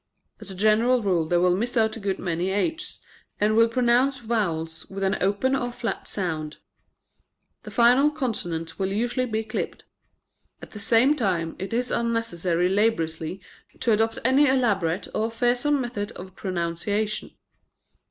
As a general rule they will miss out a good many " h's," and will pronounce vowels with an open or flat sound. The final consonants will usually be clipped. At the same time it is unnecessary laboriously to adopt any elaborate or fearsome method of pro nunciation.